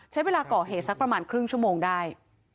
ใช้เวลาก่อเหตุสักประมาณครึ่งชั่วโมงได้